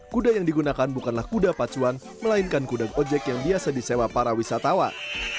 kuda yang digunakan bukanlah kuda pacuan melainkan kuda ojek yang biasa disewa para wisatawan